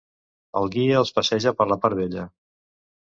El guia els passeja per la part vella.